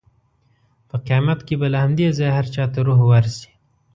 په قیامت کې به له همدې ځایه هر چا ته روح ورشي.